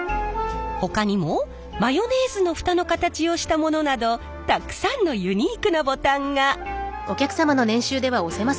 ほかにもマヨネーズの蓋の形をしたものなどたくさんのユニークなボタンが。